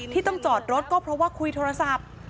ที่ต้องจอดรถก็เพราะว่าคุยโทรศัพท์